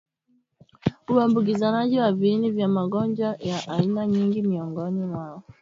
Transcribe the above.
uambukizanaji wa viini vya magonjwa ya aina nyingi miongoni mwao